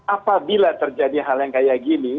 apabila terjadi hal yang kayak gini